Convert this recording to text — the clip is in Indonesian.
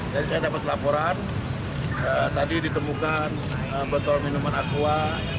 tadi saya dapat laporan tadi ditemukan botol minuman aqua